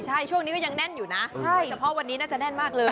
ใช่ช่วงนี้ก็ยังแน่นอยู่นะโดยเฉพาะวันนี้น่าจะแน่นมากเลย